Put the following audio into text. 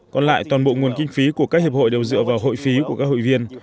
còn lại toàn bộ nguồn kinh phí của các hiệp hội đều dựa vào hội phí của các hội viên